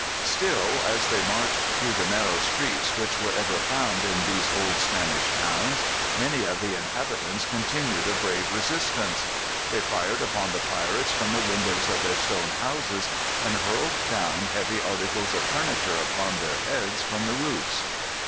Still, as they marched through the narrow streets which were ever found in these old Spanish towns, many of the inhabitants continued a brave resistance. They fired upon the pirates from the windows of their stone houses, and hurled down heavy articles of furniture upon their heads from the roofs.